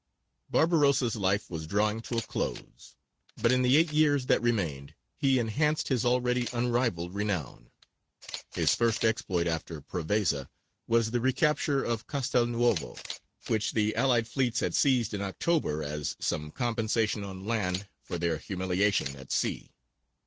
Barbarossa's life was drawing to a close, but in the eight years that remained he enhanced his already unrivalled renown. His first exploit after Prevesa was the recapture of Castelnuovo, which the allied fleets had seized in October, as some compensation on land for their humiliation at sea.